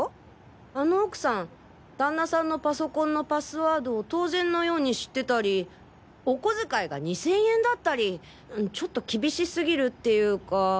あの奥さん旦那さんのパソコンのパスワードを当然のように知ってたりお小遣いが２千円だったりちょっと厳しすぎるっていうか。